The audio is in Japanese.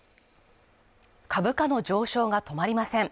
株価の上昇が止まりません。